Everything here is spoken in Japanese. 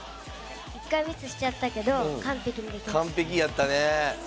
１回ミスしちゃったけど完璧にできました。